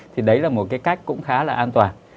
thì đấy là một cái cách cũng khá là an toàn